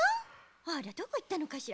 あらどこいったのかしら。